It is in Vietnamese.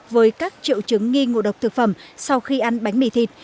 với các triệu chứng nghi ngộ độc thực phẩm sau khi ăn bánh mì thịt